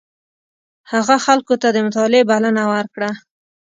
هغه خلکو ته د مطالعې بلنه ورکړه.